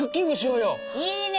いいね！